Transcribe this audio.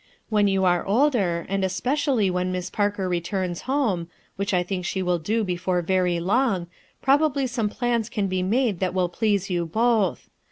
When you aro older, and especially when Miss Parker returns homo, which I think she will do before very long, probably some plans can be made that will pleaso you both.